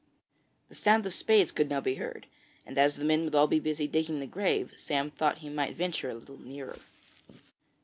The sound of spades could now be heard, and as the men would all be busy digging the grave, Sam thought he might venture a little nearer.